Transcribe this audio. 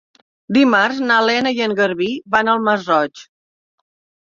Dimarts na Lena i en Garbí van al Masroig.